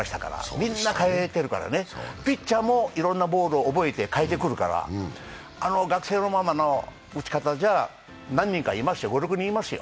みんな変えてるからね、ピッチャーもいろんなボールに変えてくるから、あの学生のままの打ち方じゃ、何人かいますよ、５６人いますよ